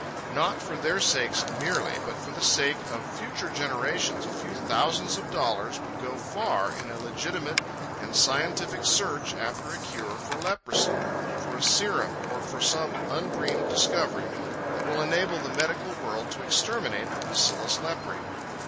Not for their sakes merely, but for the sake of future generations, a few thousands of dollars would go far in a legitimate and scientific search after a cure for leprosy, for a serum, or for some undreamed discovery that will enable the medical world to exterminate the bacillus lepræ.